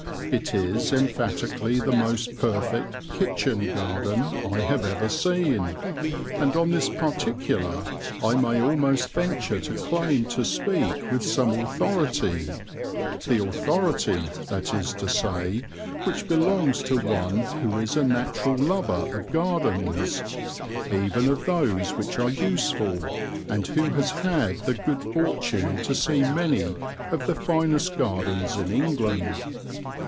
It is emphatically the most perfect "kitchen" garden I have ever seen, and on this particular I may almost venture to claim to speak with some authority the authority, that is to say, which belongs to one who is a natural lover of gardens, even of those which are useful, and who has had the good fortune to see many of the finest gardens in England.